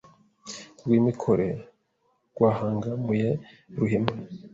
Rwimikore rwahangamuye Ruhima